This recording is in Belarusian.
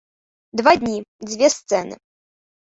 Два дні, дзве сцэны.